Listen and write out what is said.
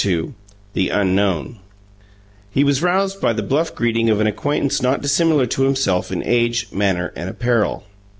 II THE UNKNOWN He was roused by the bluff greeting of an acquaintance not dissimilar to himself in age, manner, and apparel.